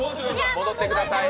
戻ってください。